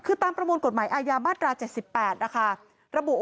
คือตามประมวลกฎหมายอาญามาตรา๗๘นะคะระบุ